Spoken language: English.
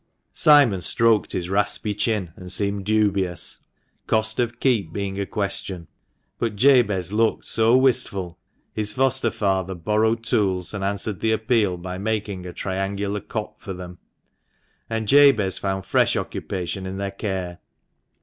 Simon stroked his raspy chin, and seemed dubious, cost of keep being a question ; but Jabez looked so wistful, his foster father borrowed tools and answered the appeal by making a triangular cote for them, and Jabez found fresh occupation in their care.